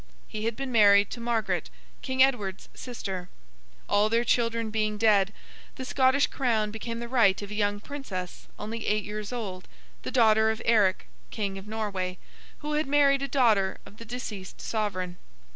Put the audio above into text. He had been married to Margaret, King Edward's sister. All their children being dead, the Scottish crown became the right of a young Princess only eight years old, the daughter of Eric, King of Norway, who had married a daughter of the deceased sovereign.